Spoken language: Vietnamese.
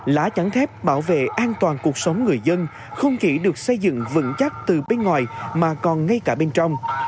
lá chắn thép bảo vệ an toàn cuộc sống người dân không chỉ được xây dựng vững chắc từ bên ngoài mà còn ngay cả bên trong